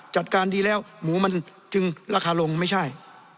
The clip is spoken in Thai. จัดการดีแล้วหมูมันจึงราคาลงไม่ใช่